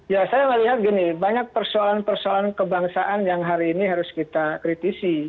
ya saya melihat gini banyak persoalan persoalan kebangsaan yang hari ini harus kita kritisi